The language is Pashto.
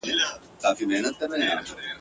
د زاړه دښمن قصرونه !.